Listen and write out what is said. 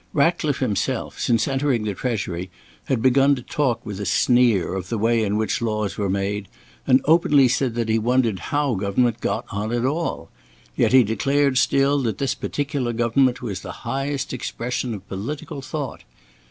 Ratcliffe himself, since entering the Treasury, had begun to talk with a sneer of the way in which laws were made, and openly said that he wondered how government got on at all. Yet he declared still that this particular government was the highest expression of political thought.